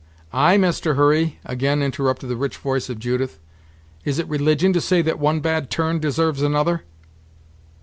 "Ay, Master Hurry," again interrupted the rich voice of Judith, "is it religion to say that one bad turn deserves another?"